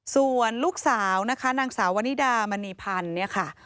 ส่วนลูกสาวนะคะนางสาววนิดามณีพันธ์เนี่ยค่ะ